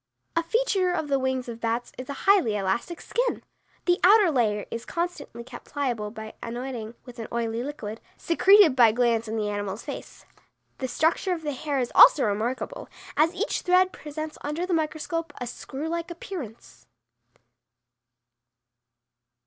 A feature of the wings of bats, is a highly elastic skin. The outer layer is constantly kept pliable by anointing with an oily liquid, secreted by glands in the animal's face. The structure of the hair is also remarkable, as each thread presents under the microscope a screw like appearance.